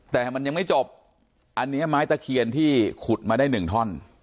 แต่มันยังไม่จบอันนี้ไม้ตะเคียนที่ขุดมาได้หนึ่งท่อน